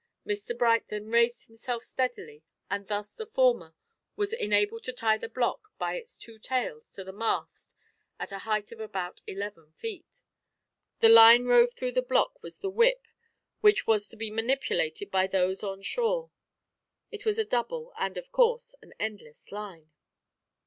Mr Bright then raised himself steadily, and thus the former was enabled to tie the block by its two tails to the mast at a height of about eleven feet. The line rove through the block was the "whip," which was to be manipulated by those on shore. It was a double, and, of course, an endless line.